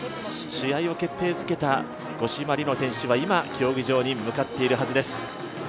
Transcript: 試合を決定づけた五島莉乃選手は今、競技場に向かっているはずです